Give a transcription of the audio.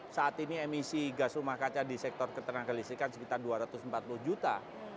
saat ini emisi gas rumah kaca di sektor ketenaga listrikan sekitar dua ratus empat puluh juta